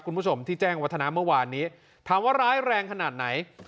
คุณผู้ชมที่แจ้งวัฒนาเมื่อวานนี้ถามว่าร้ายแรงขนาดไหน